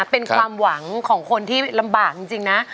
เป็นความหวังของคนที่ลำบากจริงนะ